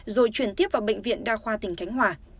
rồi chuyển tiếp vào bệnh viện đa khoa tỉnh khánh hòa